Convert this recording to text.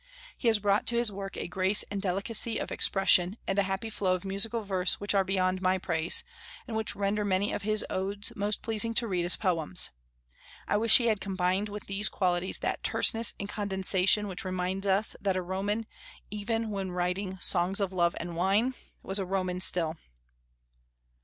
He has brought to his work a grace and delicacy of expression and a happy flow of musical verse which are beyond my praise, and which render many of his Odes most pleasing to read as poems. I wish he had combined with these qualities that terseness and condensation which remind us that a Roman, even when writing "songs of love and wine," was a Roman still.